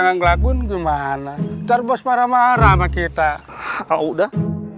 ngelagun gimana terbos marah marah kita udah